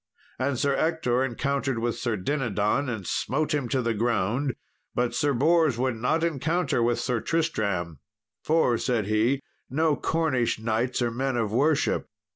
And Sir Ector encountered with Sir Dinadan and smote him to the ground; but Sir Bors would not encounter with Sir Tristram, "For," said he, "no Cornish knights are men of worship."